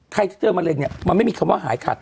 ที่เจอมะเร็งเนี่ยมันไม่มีคำว่าหายขัด